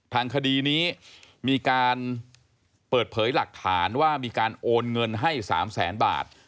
ทางคดีนี้มีการเปิดเผยหลักฐานว่ามีการโอนเงินให้๓แสนบาท